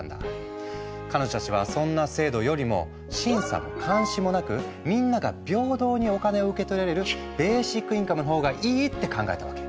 彼女たちはそんな制度よりも審査も監視もなくみんなが平等にお金を受け取れるベーシックインカムの方がいいって考えたわけ。